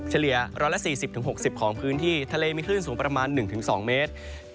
เฉลี่ย๑๔๐๖๐ของพื้นที่ทะเลมีคลื่นสูงประมาณ๑๒เมตร